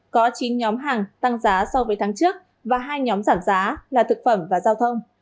có chín nhóm hàng tăng giá so với tháng trước và hai nhóm giảm giá là thực phẩm và giao thông